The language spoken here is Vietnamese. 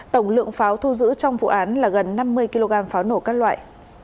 tổng lượng pháo thu giữ trong vụ án là gần năm mươi kg pháo nổ các loại